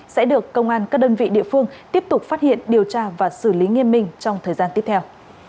sẽ được công an các đơn vị địa phương tiếp tục phát hiện điều tra và xử lý nghiêm minh trong thời gian tiếp theo